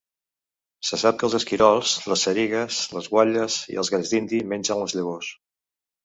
Se sap que els esquirols, les sarigues, les guatlles i els galls dindis mengen les llavors.